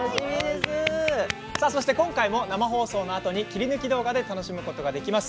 今回も生放送のあとに切り抜き動画で楽しむことができます。